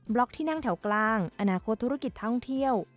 ล็อกที่นั่งแถวกลางอนาคตธุรกิจท่องเที่ยว